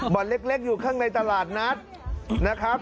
เล็กอยู่ข้างในตลาดนัดนะครับ